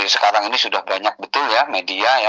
sekarang ini sudah banyak betul ya media ya